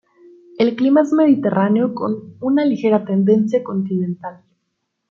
El clima es mediterráneo con una ligera tendencia continental.